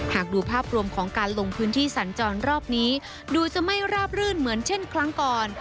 หากดูภาพรวมของการลงพื้นที่สัญจรรอบนี้ดูจะไม่ราบรื่นเหมือนเช่นครั้งก่อน